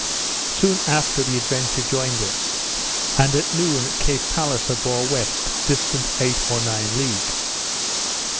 Soon after, the Adventure joined us; and at noon Cape Palliser bore west, distant eight or nine leagues.